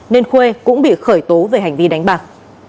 nên khuê cũng bị khởi tố về hành vi đánh bạc